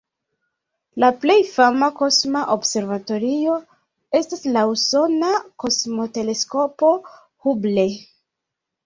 La plej fama kosma observatorio estas la usona Kosmoteleskopo Hubble.